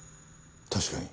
確かに。